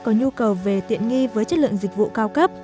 có nhu cầu về tiện nghi với chất lượng dịch vụ cao cấp